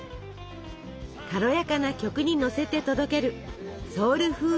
軽やかな曲にのせて届けるソウルフードの魅力。